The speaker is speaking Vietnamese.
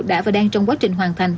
đã và đang trong quá trình hoàn thành